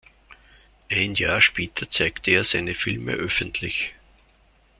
Ein Jahr später zeigte er seine Filme öffentlich.